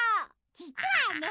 じつはね。